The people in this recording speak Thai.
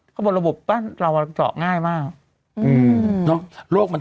เขาบอกระบบบ้านเราเจาะง่ายมาก